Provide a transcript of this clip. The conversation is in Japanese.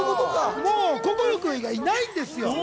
もう、心君以外いないんですよ。